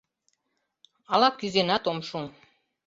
Ала кӱзенат ом шу.